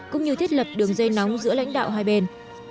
cũng như thiết lập đường dây nóng giữa lãnh đạo hai bên